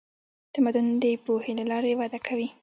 تمدن د پوهې له لارې وده کوي.